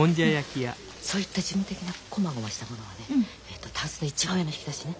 そういった事務的なこまごましたものはねえとたんすの一番上の引き出しね。